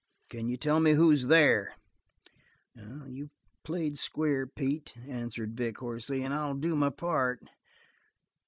Can you tell me who's there?" "You've played square, Pete," answered Vic hoarsely, "and I'll do my part.